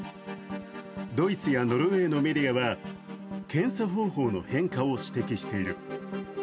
ドイツやノルウェーのメディアは、検査方法の変化を指摘している。